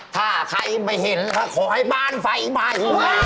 ถ้าใครไม่เห็นขอให้บ้านไฟไป